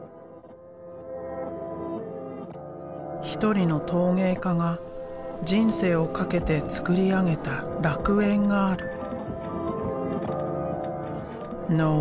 一人の陶芸家が人生をかけて創り上げた楽園がある。